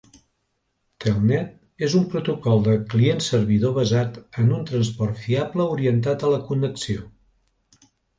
Telnet és un protocol de client-servidor basat en un transport fiable orientat a la connexió.